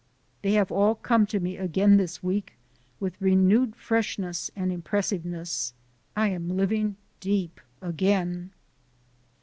They have all come to me again this week with renewed freshness and impressiveness. I am living deep again!